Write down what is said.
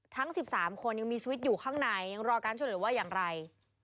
ทั้ง๑๓คนยังมีชีวิตอยู่ข้างในยังรอการช่วยเหลือว่าอย่างไร